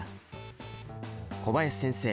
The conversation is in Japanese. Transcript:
小林先生